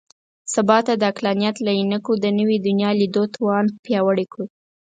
سبا ته د عقلانیت له عینکو د نوي دنیا لیدو توان پیاوړی کړو.